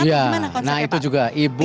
gimana konsepnya pak